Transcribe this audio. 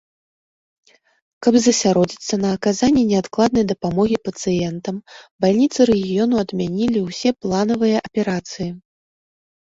Каб засяродзіцца на аказанні неадкладнай дапамогі пацыентам, бальніцы рэгіёну адмянілі ўсе планавыя аперацыі.